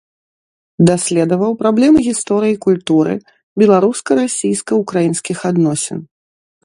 Даследаваў праблемы гісторыі культуры, беларуска-расійска-ўкраінскіх адносін.